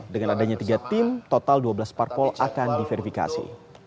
dengan adanya tiga tim total dua belas parpol akan diverifikasi